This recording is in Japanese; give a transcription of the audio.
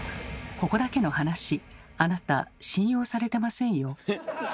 ここだけの話あなた信用されてませんよ。